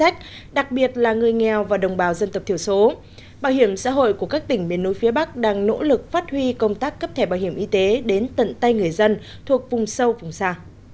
các tỉnh miền núi phía bắc đang nỗ lực phát huy công tác cấp thẻ bảo hiểm y tế đến tận tay người dân thuộc vùng sâu vùng xa